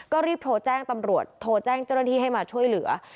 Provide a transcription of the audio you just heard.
ก็รีบโทรแจ้งตำรวจโทรแจ้งเจ้าหน้าที่ให้มาช่วยเหลือ